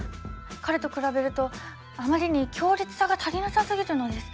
彼と比べるとあまりに強烈さが足りなさすぎるのです。